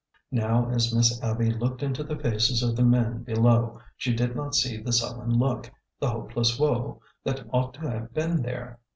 Now as Miss Abby looked into the faces of the men below she did not see the sullen look, the hopeless woe, that ought to have been there.